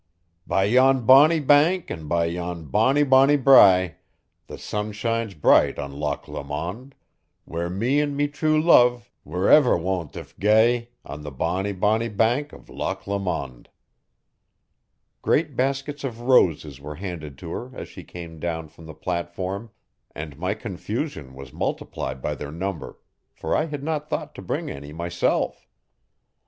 By yon bonnie bank an' by yon bonnie bonnie brae The sun shines bright on Loch Lomond Where me an' me true love were ever won't if gae On the bonnie, bonnie bank o' Loch Lomond. Great baskets of roses were handed to her as she came down from the platform and my confusion was multiplied by their number for I had not thought to bring any myself.